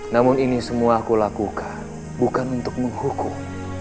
namun ini semua aku lakukan bukan untuk menghukum